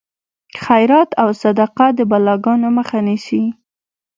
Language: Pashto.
خیرات او صدقه د بلاګانو مخه نیسي.